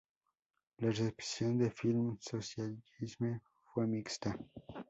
La recepción de "Film Socialisme" fue mixta.